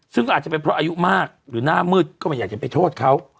ซึ่งก็อาจจะเป็นเพราะอายุมากหรือหน้ามืดก็ไม่อยากจะไปโทษเขา